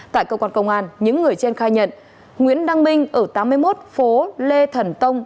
tại cơ quan công an những người trên khai nhận nguyễn đăng minh ở tám mươi một phố lê thần tông